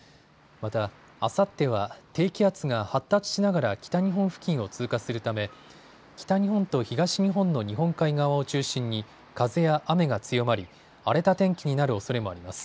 また、あさっては低気圧が発達しながら北日本付近を通過するため北日本と東日本の日本海側を中心に風や雨が強まり、荒れた天気になるおそれもあります。